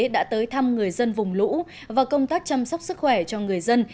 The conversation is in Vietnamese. đã tới thăm người dân vùng lũ và công tác chăm sóc sức khỏe cho người dân